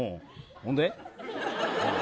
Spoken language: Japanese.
ほんで。